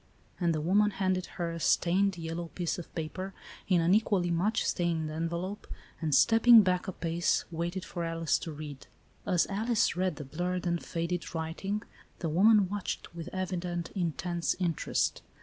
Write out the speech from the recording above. And the woman handed her a stained, yellow piece of pa per, ip an equally much stained envelope, and, stepping back a pace, waited for Alice to read. As Alice read the blurred and faded writing, the woman watched, with evident, intense interest.